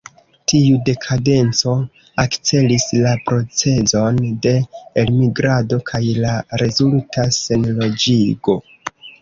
Tiu dekadenco akcelis la procezon de elmigrado kaj la rezulta senloĝigo.